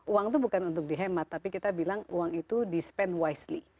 uang itu bukan untuk dihemat tapi kita bilang uang itu di spend wisely